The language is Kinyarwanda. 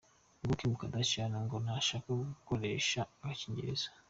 Nguwo Kim Kardashian, ngo ntashaka gukoresha agakingirizo.